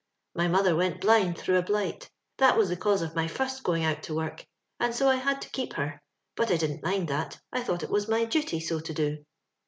My mother went blind through a blight ; that was the cause of my fust going out to work, and so I had to keep her ; but I didn't mind that : I thought it was my duty so to do.